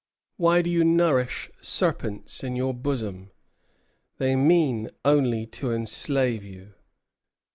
Why do you nourish serpents in your bosom? They mean only to enslave you."